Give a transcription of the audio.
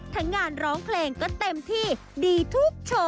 ทั้งงานร้องเพลงก็เต็มที่ดีทุกโชว์